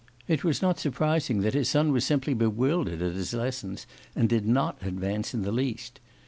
It was not surprising that his son was simply bewildered at his lessons, and did not advance in the least.